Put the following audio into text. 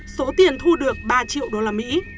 số tiền thu được ba triệu usd